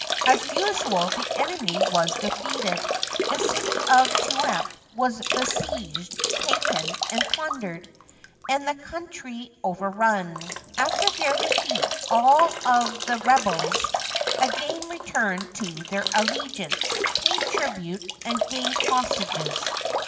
As usual, the enemy was defeated, the city of Tunep was besieged, taken, and plundered, and the country overrun. After their defeat all the rebels again returned to their allegiance, paid tribute, and gave hostages.